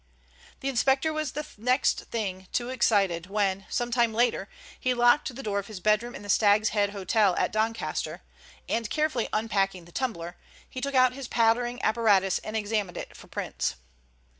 The inspector was the next thing to excited when, some time later, he locked the door of his bedroom in the Stag's Head Hotel at Doncaster and, carefully unpacking the tumbler, he took out his powdering apparatus and examined it for prints.